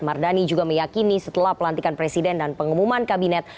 mardani juga meyakini setelah pelantikan presiden dan pengumuman kabinet